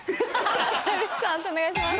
判定お願いします。